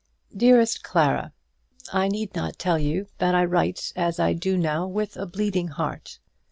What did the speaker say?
DEAREST CLARA, I need not tell you that I write as I do now with a bleeding heart.